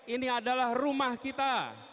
ini adalah rumah kita